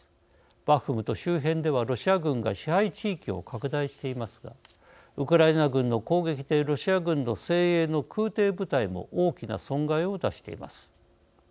バフムト周辺ではロシア軍が支配地域を拡大していますがウクライナ軍の攻撃でロシア軍の精鋭の空てい部隊も大きな損害を出しています。